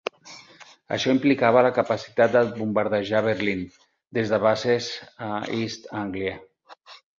Això implicava la capacitat de bombardejar Berlín des de bases a East Anglia.